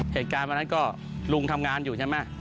เหตุการณ์วันนั้นก็ลุงทำงานอยู่ใช่ไหม